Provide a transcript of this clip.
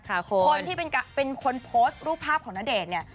คนที่เป็นคนโพสต์รูปภาพของณเดชน์เนี่ย